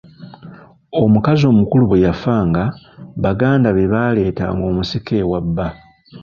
Omukazi omukulu bwe yafanga, baganda be baaleetanga omusika ewa bba.